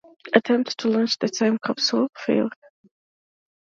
Attempts to launch the time capsule fail.